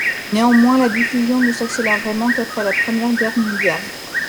Néanmoins, la diffusion ne s’accélère vraiment qu’après la Première Guerre mondiale.